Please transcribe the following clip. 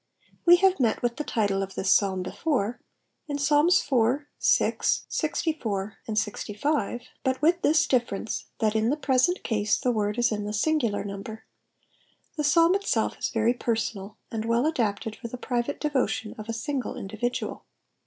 We have md with the tUle cf Uiis Psalm before^ in Psalms IV,^ FJ., LI K, and L K., buJt with this difference^ thai in the present case the uiord is in (he singular number: the Psalm itself is very personal, and wm adapted for the private devotion of a single individual.